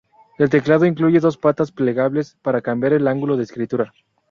El teclado incluye dos patas plegables para cambiar el ángulo de escritura.